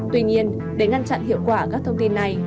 tuy nhiên để ngăn chặn hiệu quả các thông tin này